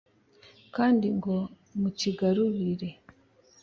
kandi ngo mucyigarurire